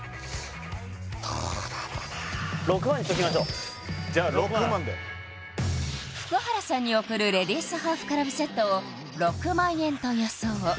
どうだろうな６万にしときましょうじゃ６万で福原さんに贈るレディースハーフクラブセットを６万円と予想